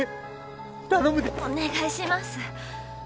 お願いします